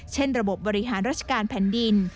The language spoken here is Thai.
เช่นระบบบริหารรัชการแผ่นดิน